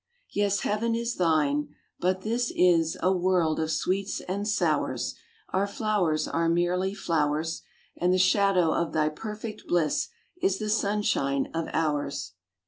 Yes, Heaven is thine; but this Is a world of sweets and sours; Our flowers are merely flowers, And the shadow of thy perfect bliss Is the sunshine of ours.